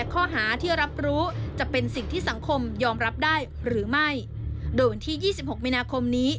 โดยเป็นที่๒๖มีนาคมนี้